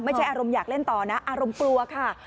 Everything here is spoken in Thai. อารมณ์อยากเล่นต่อนะอารมณ์กลัวค่ะ